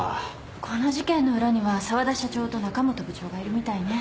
この事件の裏には沢田社長と中本部長がいるみたいね。